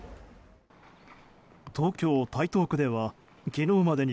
東京・台東区では昨日までに